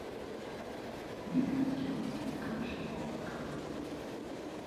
Queen Anne's County has a commission form of government.